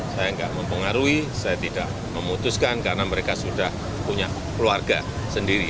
saya tidak mempengaruhi saya tidak memutuskan karena mereka sudah punya keluarga sendiri